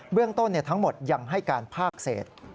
เรื่องต้นทั้งหมดยังให้การภาคเศษ